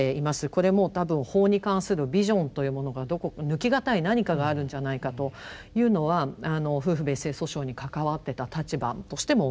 これも多分法に関するビジョンというものが抜きがたい何かがあるんじゃないかというのは夫婦別姓訴訟に関わってた立場としても思います。